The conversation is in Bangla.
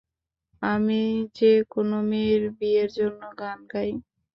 আমি যে কোনো মেয়ের, বিয়ের জন্য গান গাই।